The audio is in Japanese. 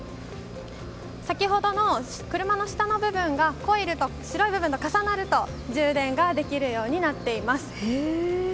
先ほどの車の下の部分が白いところと重なると充電ができるようになっています。